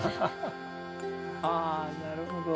あなるほど。